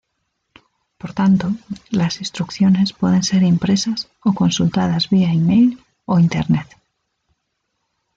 Por tanto las instrucciones pueden ser impresas o consultadas via e-mail o internet.